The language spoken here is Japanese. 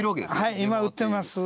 はい今売ってます。